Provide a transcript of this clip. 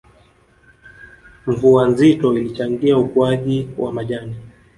Mvua nzito ilichangia ukuaji wa majani